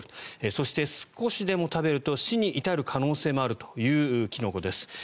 そして、少しでも食べると死に至る可能性もあるというキノコです。